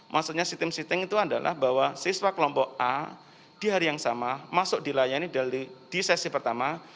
maksudnya sistem shifting itu adalah bahwa siswa kelompok a di hari yang sama masuk dilayani di sesi pertama